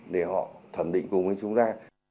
để họ thẩm định cùng với chúng ta